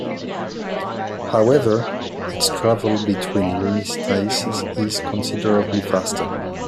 However, its travel between lunistices is considerably faster.